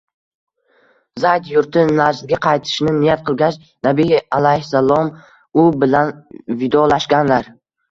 Zayd yurti Najdga qaytishni niyat qilgach, Nabiy alayhissalom u bilan vidolashganlar